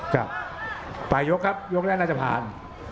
ครับปลายยกครับยกแรกน่าจะผ่าน